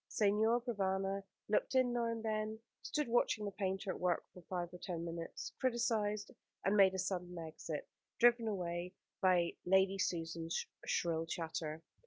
Signor Provana looked in now and then, stood watching the painter at work for five or ten minutes, criticised, and made a sudden exit, driven away by Lady Susan's shrill chatter.